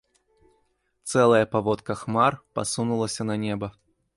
Цэлая паводка хмар пасунулася на неба.